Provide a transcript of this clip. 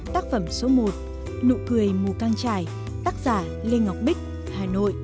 tác phẩm số một nụ cười mù căng trải tác giả lê ngọc bích